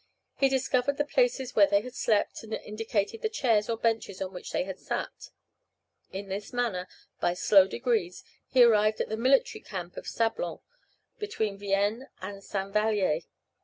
He discovered the places where they had slept, and indicated the chairs or benches on which they had sat. In this manner, by slow degrees, he arrived at the military camp of Sablon, between Vienne and Saint Valier.